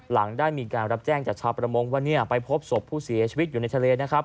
หลังได้มีการรับแจ้งจากชาวประมงว่าไปพบศพผู้เสียชีวิตอยู่ในทะเลนะครับ